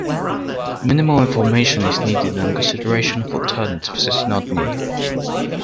Minimal information is needed and consideration of alternatives is not needed.